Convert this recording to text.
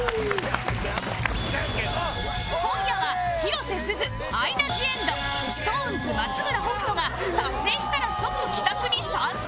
今夜は広瀬すずアイナ・ジ・エンド ＳｉｘＴＯＮＥＳ 松村北斗が達成したら即帰宅に参戦！